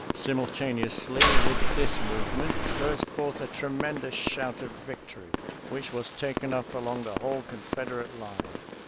Simultaneously with this movement burst forth a tremendous shout of victory, which was taken up along the whole Confederate line.